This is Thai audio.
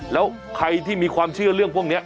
แล้วใครที่มีความเชื่อเรื่องพวกนี้